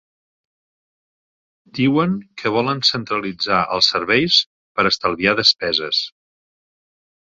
Diuen que volen centralitzar els serveis per estalviar despeses.